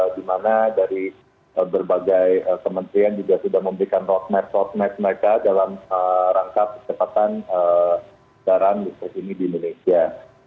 di mana dari berbagai kementerian juga sudah memberikan roadmap roadmap mereka dalam rangka kecepatan darahan di indonesia